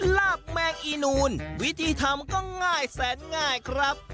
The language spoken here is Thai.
ลาบแมงอีนูนวิธีทำก็ง่ายแสนง่ายครับ